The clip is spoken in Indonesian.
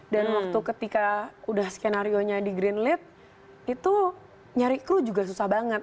dan waktu ketika udah skenario nya di greenlit itu nyari kru juga susah banget